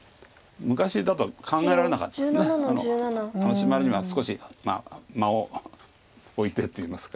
シマリには少し間を置いてといいますか。